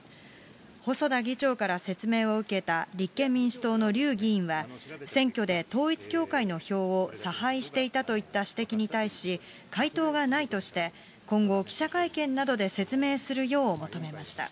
細田議長から説明を受けた立憲民主党の笠議員は、選挙で統一教会の票を差配していたといった指摘に対し、回答がないとして、今後、記者会見などで説明するよう求めました。